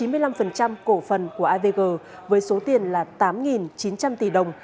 mua chín mươi năm cổ phần của avg với số tiền là tám chín trăm linh tỷ đồng